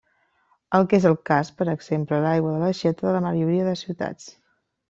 El que és el cas, per exemple l'aigua de l'aixeta de la majoria de ciutats.